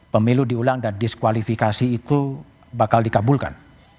pemilu diulang dan diskualifikasi itu bakal dikabulkan